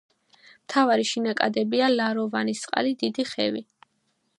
მთავარი შენაკადებია: ლაროვანისწყალი, დიდი ხევი.